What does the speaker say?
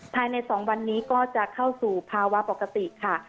ภายใน๒วันนี้ก็จะเข้าสู่ภาวะปกติค่ะ